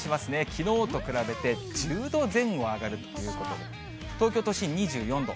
きのうと比べて、１０度前後上がるということで、東京都心２４度。